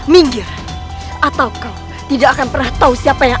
minggir atau kau tidak akan pernah tahu siapa yang